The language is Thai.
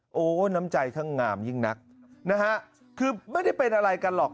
โอ้โหน้ำใจทั้งงามยิ่งนักนะฮะคือไม่ได้เป็นอะไรกันหรอก